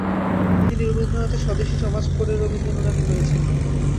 তিনি রবীন্দ্রনাথের 'স্বদেশী সমাজ' পড়ে রবীন্দ্র অনুরাগী হয়েছিলেন।